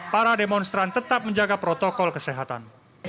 para demonstran tetap menjaga protokol kesehatan